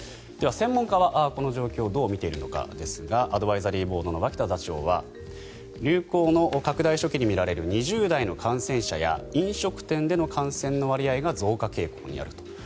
では、専門家はこの状況をどう見ているのかですがアドバイザリーボードの脇田座長は流行の拡大初期に見られる２０代の感染者や飲食店での感染の割合が増加傾向にあると。